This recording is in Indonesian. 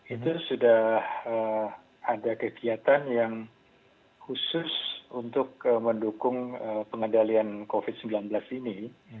itu sudah ada kegiatan yang khusus untuk mendukung pengendalian covid sembilan belas ini